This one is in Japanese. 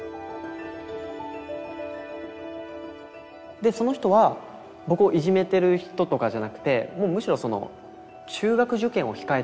でその人は僕をいじめてる人とかじゃなくてむしろ中学受験を控えてたんですよね。